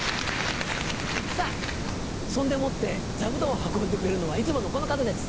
さぁそんでもって座布団を運んでくれるのはいつものこの方です。